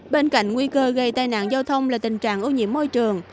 bên cạnh nguy cơ gây tai nạn giao thông là tình trạng ô nhiễm môi trường